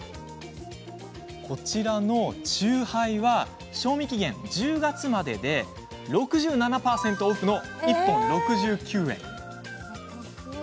こちらの酎ハイは賞味期限１０月までで６７％オフの１本６９円。